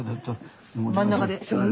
真ん中で。